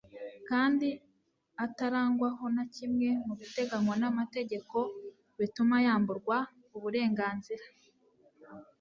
kandi atarangwaho na kimwe mu biteganywa n'amategeko bituma yamburwa uburengnzira